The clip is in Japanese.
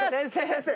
先生！